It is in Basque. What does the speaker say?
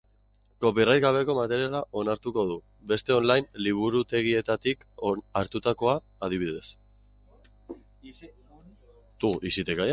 Copyright gabeko materiala onartuko du, beste online liburutegietatik hartutakoa adibidez.